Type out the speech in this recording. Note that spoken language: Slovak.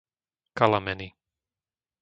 Kalameny